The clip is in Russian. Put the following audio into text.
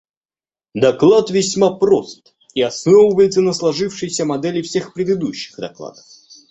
Доклад весьма прост и основывается на сложившейся модели всех предыдущих докладов.